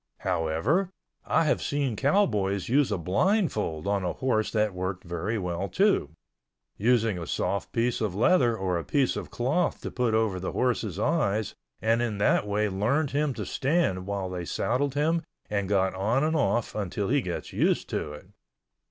However, I have seen cowboys use a blindfold on a horse that worked very well, too—using a soft piece of leather or a piece of cloth to put over the horse's eyes and in that way learned him to stand while they saddled him and got on and off until he gets used to it.